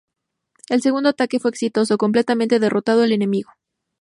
El segundo ataque fue exitoso, completamente derrotado al enemigo.